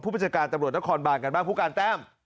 ผู้บริษัทการตำรวจนครบาลกันบ้างผู้การแต้ม